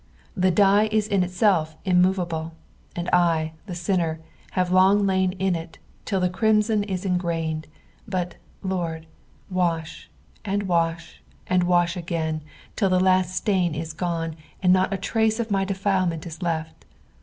The dye is in itself immovable, and I, the sinner, liare kin long in it, till the crimson is ingrained ; but, Lord, wash, and wash, and wash again, till the last stall) is gone, And not a truce of my defilement is k ft.